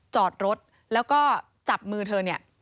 จอดรถแล้วก็จับมือเธอเนี่ย